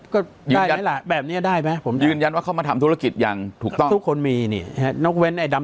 ก็ได้ไหมล่ะแบบนี้ได้ไหม